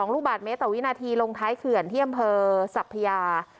ลูกบาทเมตรต่อวินาทีลงท้ายเขื่อนที่อำเภอสัพพยา